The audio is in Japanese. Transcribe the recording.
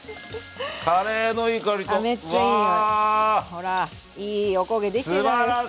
ほらいいおこげ出来てるじゃないですか！